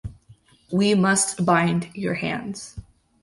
We must bind your hands.